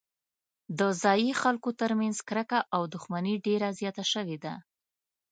د ځايي خلکو ترمنځ کرکه او دښمني ډېره زیاته شوې ده.